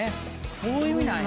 そういう意味なんや。